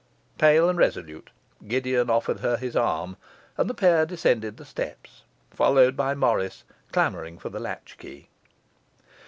Pale and resolute, Gideon offered her his arm, and the pair descended the steps, followed by Morris clamouring for the latchkey.